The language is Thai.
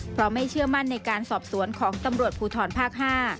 เพราะไม่เชื่อมั่นในการสอบสวนของตำรวจภูทรภาค๕